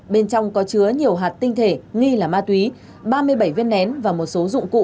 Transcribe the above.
bên trong có chứa nhiều hạt tinh thể nghi là ma túy ba mươi bảy viên nén và một số dụng cụ